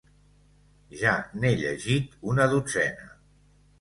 Ja n'he llegit una dotzena.